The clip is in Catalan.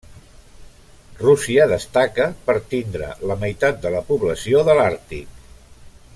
Rússia destaca per tindre la meitat de la població de l'àrtic.